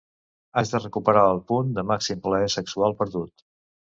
Haig de recuperar el punt de màxim plaer sexual perdut.